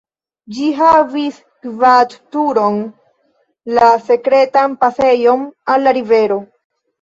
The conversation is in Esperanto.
Ĝi havis gvat-turon kaj sekretan pasejon al la rivero.